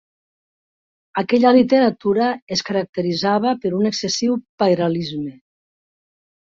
Aquella literatura es caracteritzava per un excessiu pairalisme.